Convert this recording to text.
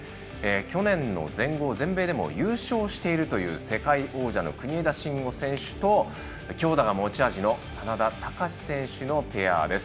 去年の全豪、全米でも優勝しているという世界王者の国枝慎吾選手と強打が持ち味の眞田卓選手のペアです。